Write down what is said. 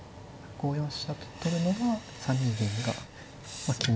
５四飛車と取るのは３二銀が気になると。